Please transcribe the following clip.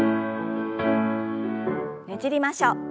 ねじりましょう。